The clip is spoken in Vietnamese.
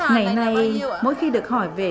ngày nay mỗi khi được hỏi về